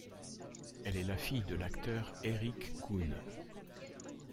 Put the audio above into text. Elle est la fille de l'acteur Eric Gühne.